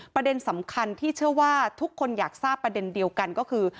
ประเด็นสำคัญที่เชื่อว่าทุกคนอยากทราบประเด็นเดียวกันก็คือ